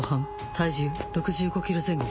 体重 ６５ｋｇ 前後